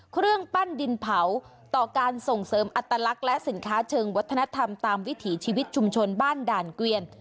เครื่องปั้นดินเผาต่อการส่งเสริมอัตลักษณ์และสินค้าเชิงวัฒนธรรมตามวิถีชีวิตชุมชนบ้านด่านเกวียน